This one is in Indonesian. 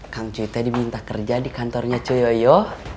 kang cute diminta kerja di kantornya cuyoyo